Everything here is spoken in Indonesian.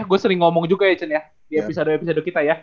gue sering ngomong juga ya chen ya di episode episode kita ya